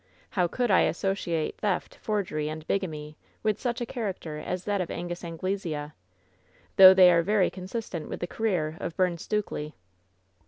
How could I associate theft, forgery and bigamy with such a character as that of Angus An glesea? Though they are very consistent with the career of Byrne Stukely."